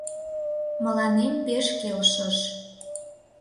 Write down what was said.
Мыланем пеш келшыш.